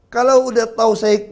kalau sudah tau saya